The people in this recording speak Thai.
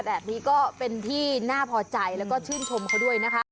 แบบนี้ก็เป็นที่น่าพอใจแล้วก็ชื่นชมเขาด้วยนะคะ